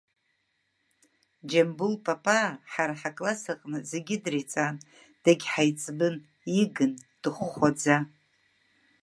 Џьамбул Папаа ҳара ҳакласс аҟны зегьы дреиҵан, дагьҳаиҵбын, Игын, дыхәхәаӡа…